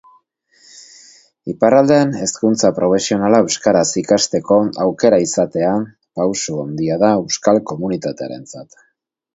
Iparraldean hezkuntza profesionala euskaraz ikasteko aukera izatea, pausu handia da euskal komunitatearentzat.